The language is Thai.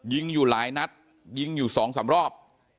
ยิงอยู่หลายนัดยิงอยู่๒๓รอบ